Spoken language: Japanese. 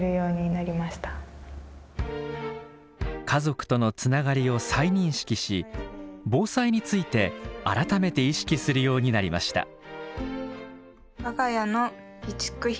家族とのつながりを再認識し防災について改めて意識するようになりました。